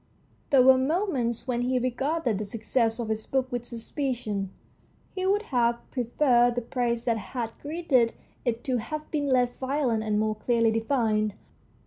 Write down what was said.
There were moments when he regarded the success of his book with suspicion. He would have preferred 140 THE STORY OF A BOOK the praise that had greeted it to have been less violent and more clearly defined.